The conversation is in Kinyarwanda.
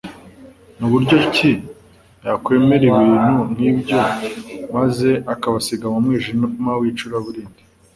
Ni buryo ki yakwemera ibintu nk'ibyo maze akabasiga mu mwijima wicura burindi